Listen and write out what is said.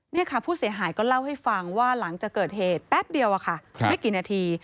นี่ค่ะผู้เสียหายก็เล่าให้ฟังว่าหลังจากเกิดเหตุแป๊บเดียวไม่กี่นาที